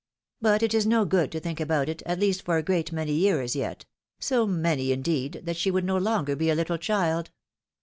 But it is no good to think about it, at least for a great many years yet — so many, indeed, that she would no longer be a little child.